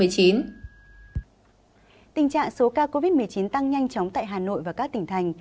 tình trạng số ca covid một mươi chín tăng nhanh chóng tại hà nội và các tỉnh thành